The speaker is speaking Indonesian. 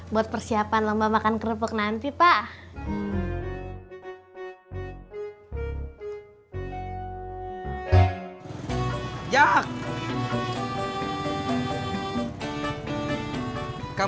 buat persiapan lomba makan kerupuk nanti pak